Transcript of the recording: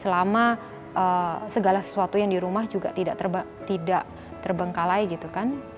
selama segala sesuatu yang di rumah juga tidak terbengkalai gitu kan